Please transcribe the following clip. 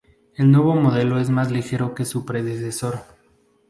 El nuevo modelo es más ligero que su predecesor.